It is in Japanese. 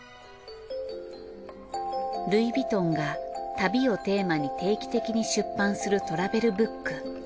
ルイ・ヴィトンが旅をテーマに定期的に出版するトラベルブック。